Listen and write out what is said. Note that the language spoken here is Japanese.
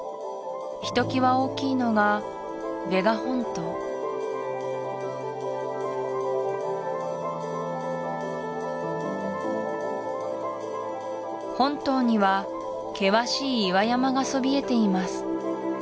ひときわ大きいのがヴェガ本島本島には険しい岩山がそびえています